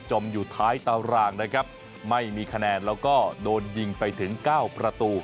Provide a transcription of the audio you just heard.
อยู่ท้ายตารางนะครับไม่มีคะแนนแล้วก็โดนยิงไปถึงเก้าประตู